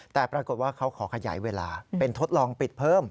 แต่ปรากฏว่าเขาขอขยายเวลาเป็นทดลองปิดเพิ่ม